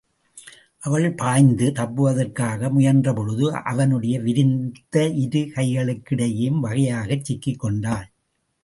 அவள் பாய்ந்து தப்புவதற்காக முயன்றபொழுது அவனுடைய விரித்த இரு கைகளுக்கிடையேயும், வகையாகச் சிக்கிக்கொண்டாள்.